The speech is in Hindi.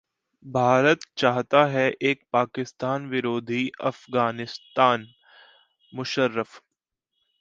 भारत चाहता है एक पाकिस्तान विरोधी अफगानिस्तानः मुशर्रफ